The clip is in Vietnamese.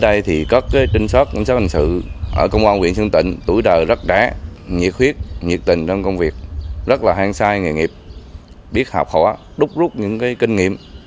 ở đây thì có trinh sát cảnh sát hình sự ở công an huyện sơn tịnh tuổi đời rất đá nhiệt huyết nhiệt tình trong công việc rất là hang sai nghề nghiệp biết học hỏa đúc rút những kinh nghiệm